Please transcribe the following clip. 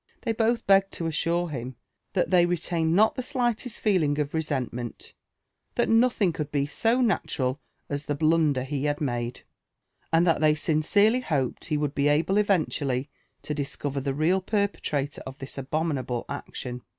They both begged to assure him that they retained not the slightest feeling of resentment, that nothing could be so natural as the blunder he had made, and that they sincerely hoped he would be able eventually to discover the real perpetrator of lliis abominable action.